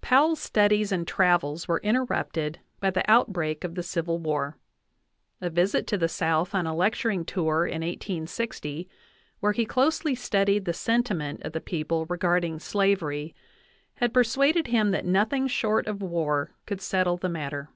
Powell's studies and travels were interrupted by the out break of the Civil War. A visit to the South on a lecturing tour in 1860, where. he closely studied the sentiment of the people regarding slavery, had persuaded him that nothing short of war could settle the matter.